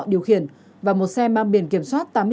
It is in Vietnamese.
điều khiển và một xe mang biển kiểm soát